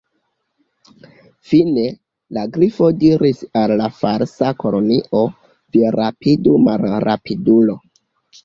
Fine, la Grifo diris al la Falsa Kelonio: "Vi rapidu, malrapidulo! «